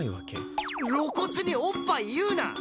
露骨におっぱい言うな！